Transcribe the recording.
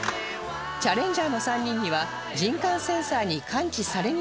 チャレンジャーの３人には人感センサーに感知されにくい条件から